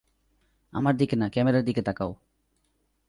আমার দিকে না, ক্যামেরার দিকে তাকাও।